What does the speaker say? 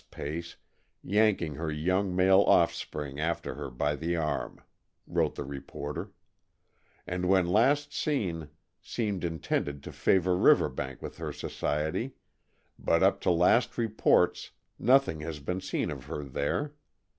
pace, yanking her young male offspring after her by the arm," wrote the reporter, "and when last seen seemed intending to favor River bank with her society, but up to last reports nothing has been seen of her there.